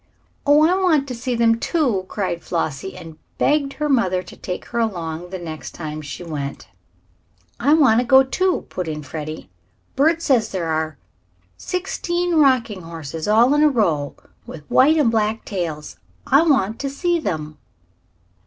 "Oh, I want to see them, too!" cried Flossie, and begged her mother to take her along the next time she went out. "I want to go, too," put in Freddie. "Bert says there are sixteen rocking horses all in a row, with white and black tails. I want to see them."